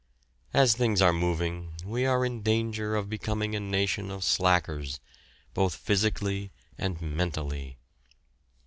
As things are moving we are in danger of becoming a nation of "slackers," both physically and mentally.